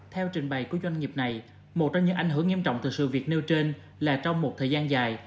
theo trình bày của doanh nghiệp này một trong những ảnh hưởng nghiêm trọng từ sự việc nêu trên là trong một thời gian dài